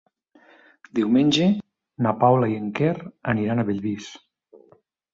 Diumenge na Paula i en Quer aniran a Bellvís.